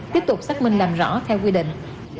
tiếp tục xác minh làm rõ theo quy định